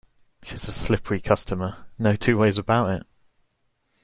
She's a slippery customer, no two ways about it.